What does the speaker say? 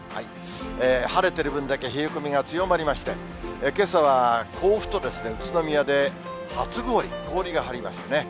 晴れてる分だけ冷え込みが強まりまして、けさは甲府とですね、宇都宮で初氷、氷が張りましたね。